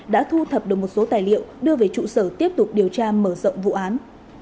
đã thu thập được một số tài liệu đưa về trụ sở tiếp tục điều tra mở rộng vụ án